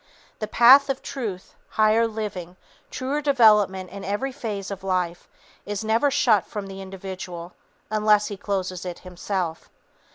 The path of truth, higher living, truer development in every phase of life, is never shut from the individual until he closes it himself.